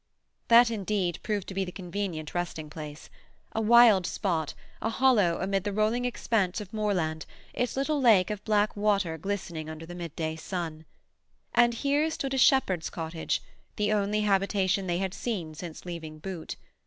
That, indeed, proved to be the convenient resting place. A wild spot, a hollow amid the rolling expanse of moorland, its little lake of black water glistening under the midday sun. And here stood a shepherd's cottage, the only habitation they had seen since leaving Boot.